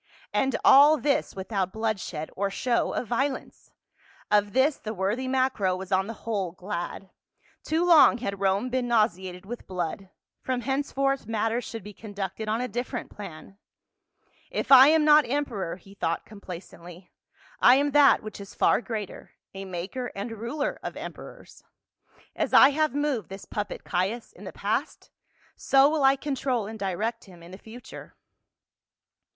And all this without bloodshed or show of violence. Of this the worthy Macro was on the whole glad ; too long had Rome been nau seated with blood, from henceforth matters should be conducted on a different plan. " If I am not emperor," he thought complacently, " I am that which is far greater, a maker and ruler of emperors. As I have moved this puppet, Caius, in the past so will I control and direct him in the future."